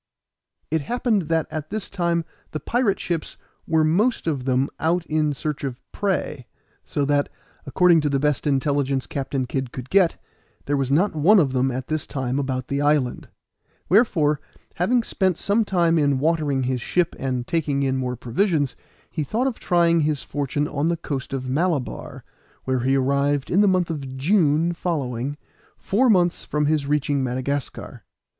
It happened that at this time the pirate ships were most of them out in search of prey, so that, according to the best intelligence Captain Kid could get, there was not one of them at this time about the island, wherefore, having spent some time in watering his ship and taking in more provisions, he thought of trying his fortune on the coast of Malabar, where he arrived in the month of June following, four months from his reaching Madagascar.